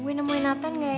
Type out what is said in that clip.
gue nemuin nathan gak ya